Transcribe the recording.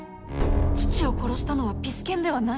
父を殺したのはピス健ではない？